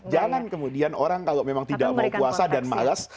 jangan kemudian orang kalau memang tidak mau puasa dan malas